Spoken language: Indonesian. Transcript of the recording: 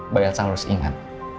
biasa harus ingat